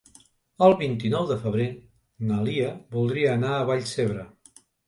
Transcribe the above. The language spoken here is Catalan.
El vint-i-nou de febrer na Lia voldria anar a Vallcebre.